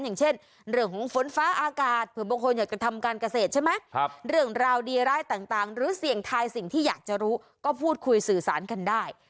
อย่างเช่นเรื่องของฝนฟ้าอากาศเผื่อบางคนอยากจะทำการเกษตรใช่ไหมเรื่องราวดีร้ายต่างหรือเสี่ยงทายสิ่งที่อยากจะรู้ก็พูดคุยสื่อสารกันได้